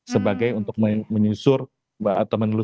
sebagai untuk menyusuri kemana adiran dana tersebut